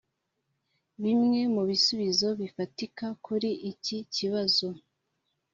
Bimwe mu bisubizo bifatika kuri iki kibazo